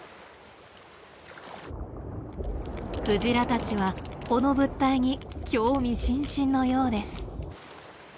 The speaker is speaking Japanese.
クジラたちはこの物体に興味津々のようです。